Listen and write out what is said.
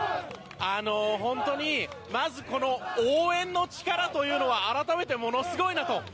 まずこの応援の力というのは改めて、ものすごいなと。